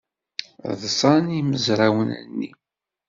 Ḍṣan yimezrawen-nni.